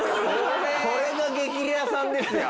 これが『激レアさん』ですよ！